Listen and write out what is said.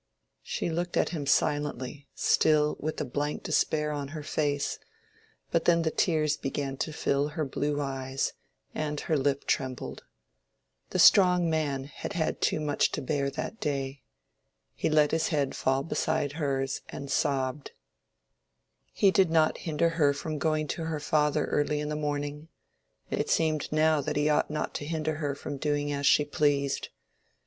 She looked at him silently, still with the blank despair on her face; but then the tears began to fill her blue eyes, and her lip trembled. The strong man had had too much to bear that day. He let his head fall beside hers and sobbed. He did not hinder her from going to her father early in the morning—it seemed now that he ought not to hinder her from doing as she pleased.